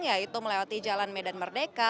yaitu melewati jalan medan merdeka